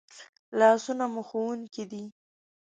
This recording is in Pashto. لاسونه مو ښوونکي دي